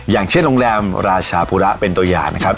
อย่างเช่นโรงแรมราชาภูระเป็นตัวอย่างนะครับ